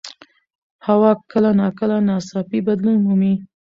هوا کله ناکله ناڅاپي بدلون مومي